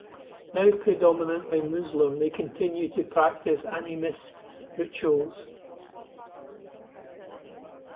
Now predominantly Muslim, they continue to practice animist rituals.